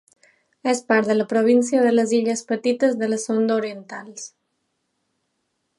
És part de la província de les illes Petites de la Sonda Orientals.